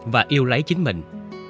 và yêu lấy chính mình